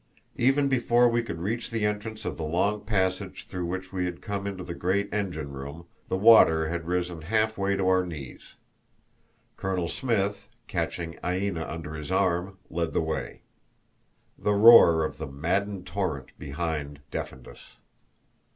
Even before we could reach the entrance to the long passage through which we had come into the great engine room, the water had risen half way to our knees. Colonel Smith, catching Aina under his arm, led the way. The roar of the maddened torrent behind deafened us.